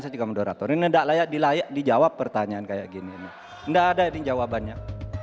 saya juga moderator ini enggak layak dijawab pertanyaan kayak gini enggak ada ini jawabannya